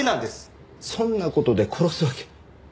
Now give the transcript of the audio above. そんな事で殺すわけ。